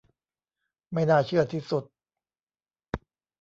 ไม่น่าเชื่อที่สุด